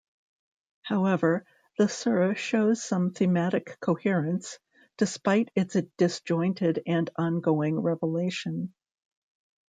However, the sura shows some thematic coherence, despite its disjointed and ongoing revelation.